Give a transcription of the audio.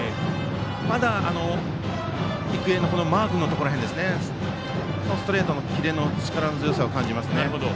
まだ育英のマークのところ辺りですからストレートのキレの力強さを感じますね。